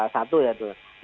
satu ya tuh